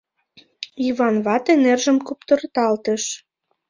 Йыван вате нержым куптырталтыш.